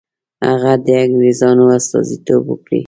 هغه د انګرېزانو استازیتوب وکړي.